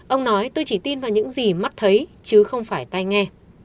ông nói tôi chỉ tin vào những gì mắt thấy chứ không phải tay nghe